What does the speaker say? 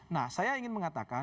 nah saya ingin mengatakan